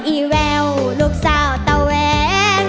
อีแววลูกสาวตะแหวง